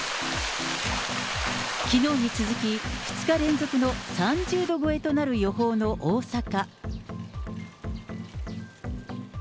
きのうに続き、２日連続の３０度超えとなる予報の大阪。